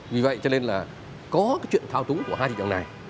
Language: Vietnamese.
vì vậy cho nên là có cái chuyện thao túng của hai thị trường này